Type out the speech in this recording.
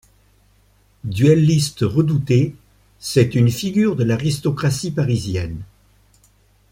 Duelliste redouté, c'est une figure de l'aristocratie parisienne.